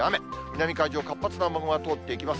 南海上、活発な雨雲が通っていきます。